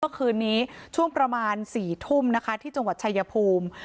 เมื่อคืนนี้ช่วงประมาณ๔ทุ่มนะคะที่จังหวัดชายภูมิ